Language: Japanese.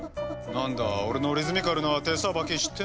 なんだ俺のリズミカルな手さばき知ってんだろう。